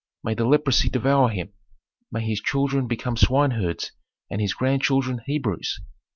May the leprosy devour him! May his children become swineherds and his grandchildren Hebrews.